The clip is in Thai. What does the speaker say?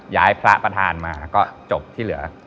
ย้ายพระประธานมาก็จบที่เหลือ